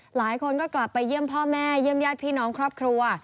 หลายคนก็กลับไปเยี่ยมพ่อแม่เยี่ยมญาติพี่น้องครอบครัว